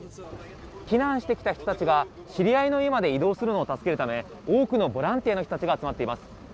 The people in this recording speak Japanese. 避難してきた人たちが、知り合いの家まで移動するのを助けるため、多くのボランティアの人たちが集まっています。